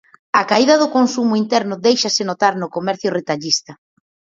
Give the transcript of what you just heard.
A caída do consumo interno déixase notar no comercio retallista.